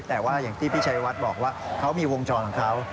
แต่ว่าอย่างที่พี่ชัยวัดบอกว่าเขามีวงจรของเขา